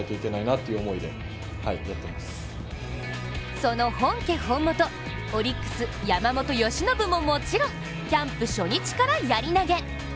その本家本元、オリックス・山本由伸ももちろん、キャンプ初日からやり投げ。